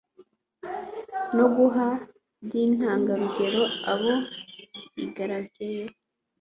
no guhana by'intangarugero abo igaragayeho